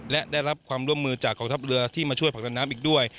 และได้รับความร่วมมือจากกองทัพเรือที่มาช่วยผลักดันน้ำอีกด้วย